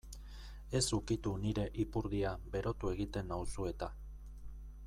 Ez ukitu nire ipurdia berotu egiten nauzu eta.